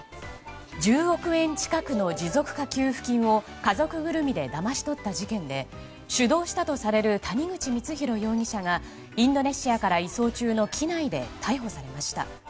１０億円近くの持続化給付金を家族ぐるみでだまし取った事件で主導したとされる谷口光弘容疑者がインドネシアから移送中の機内で逮捕されました。